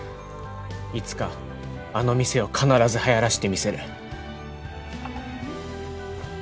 いつかあの店を必ずはやらせてみせる。